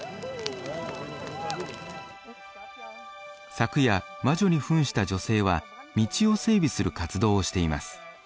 昨夜魔女に扮した女性は道を整備する活動をしています。